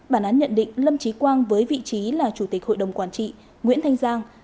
bản án nhận định lâm trí quang với vị trí là chủ tịch hội đồng quản trị nguyễn thanh giang